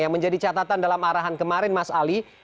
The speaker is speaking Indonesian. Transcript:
yang menjadi catatan dalam arahan kemarin mas ali